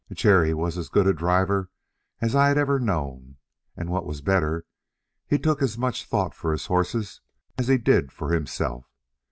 Jerry was as good a driver as I had ever known; and what was better, he took as much thought for his horses as he did for himself.